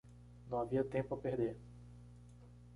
Não havia tempo a perder.